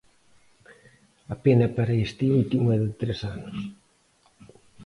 A pena para este último é de tres anos.